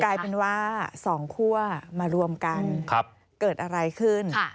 กลายเป็นว่า๒คั่วมารวมกันเกิดอะไรขึ้น